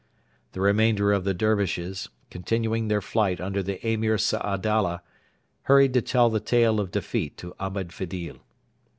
The remainder of the Dervishes, continuing their flight under the Emir Saadalla, hurried to tell the tale of defeat to Ahmed Fedil.